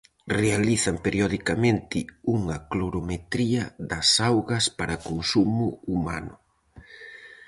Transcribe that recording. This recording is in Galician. Realizan periodicamente unha clorometría das augas para consumo humano.